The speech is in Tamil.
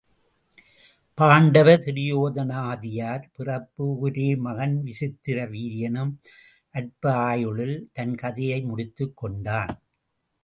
பாண்டவர் துரியோதனாதியர் பிறப்பு ஒரே மகன் விசித்திர வீரியனும் அற்ப ஆயுளில் தன் கதையை முடித்துக் கொண்டான்.